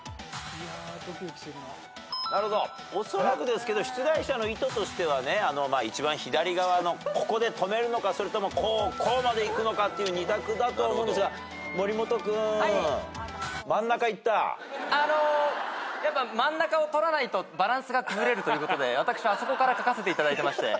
おそらくですけど出題者の意図としてはね一番左側のここで止めるのかそれともこうこうまでいくのかっていう２択だと思うんですが森本君真ん中いった？ということで私はあそこから書かせていただいてまして。